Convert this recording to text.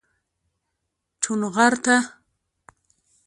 چونغرته